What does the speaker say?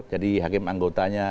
jadi hakim anggotanya